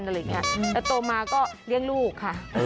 โตมาก็เลี้ยงลูกค่ะ